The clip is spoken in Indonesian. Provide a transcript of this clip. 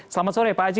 selamat sore pak aji